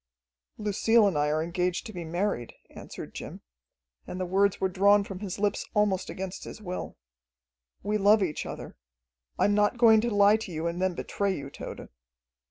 "Lucille and I are engaged to be married," answered Jim, and the words were drawn from his lips almost against his will. "We love each other. I am not going to lie to you and then betray you, Tode."